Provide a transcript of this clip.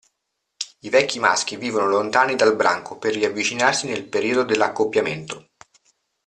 I vecchi maschi vivono lontani dal branco per riavvicinarsi nel periodo dell'accoppiamento.